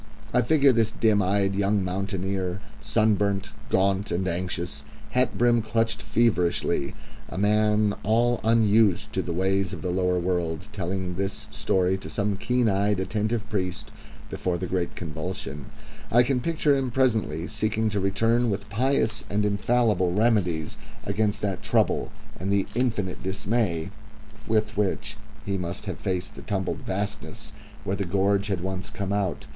I figure this dim eyed young mountaineer, sunburnt, gaunt, and anxious, hat brim clutched feverishly, a man all unused to the ways of the lower world, telling this story to some keen eyed, attentive priest before the great convulsion; I can picture him presently seeking to return with pious and infallible remedies against that trouble, and the infinite dismay with which he must have faced the tumbled vastness where the gorge had once come out.